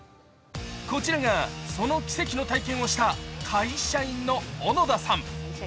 こちらが、その奇跡の体験をした会社員の小野田さん。